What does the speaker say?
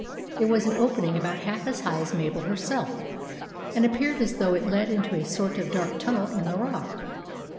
It was an open ing about half as high as Mabel herself, and appeared as though it led into a sort of dark tunnel in the rock.